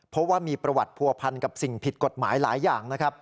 เพราะว่ามีประวัติผัวพันกับสิ่งผิดกฎหมายหลายอย่างนะครับ